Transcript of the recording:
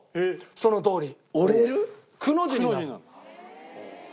そのとおり。